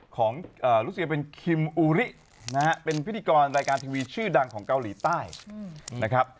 ของรุเซียเป็นคิมอูรินะฮะเป็นพิธีกรรายการทีวีชื่อดังของเกาหลีใต้นะครับ